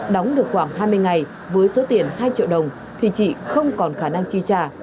đóng được khoảng hai mươi ngày với số tiền hai triệu đồng thì chị không còn khả năng chi trả